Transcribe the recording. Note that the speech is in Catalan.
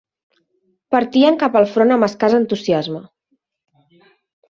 Partien cap al front amb escàs entusiasme.